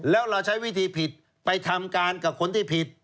แล้วเราใช้วิธีผิดไปทำการกับคนที่ผิด